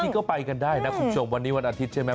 นี่ก็ไปกันได้นะคุณผู้ชมวันนี้วันอาทิตย์ใช่ไหม